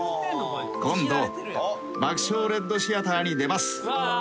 ［「今度『爆笑レッドシアター』に出ます」］